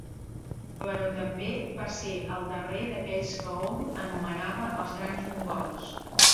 Però també va ser el darrer d'aquells que hom anomenava els Gran Mogols.